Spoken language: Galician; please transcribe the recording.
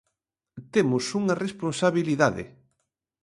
Temos unha responsabilidade.